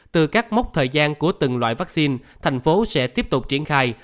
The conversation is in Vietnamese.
từ các mốc thời gian của từng loại vaccine thành phố sẽ tiếp tục triển khai